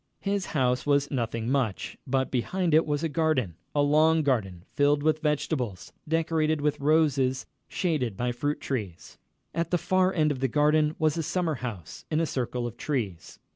His house was nothing much, but behind it was a garden a long garden, filled with vegetables, decorated with roses, shaded by fruit trees. At the far end of the garden was a summer house, in a circle of trees.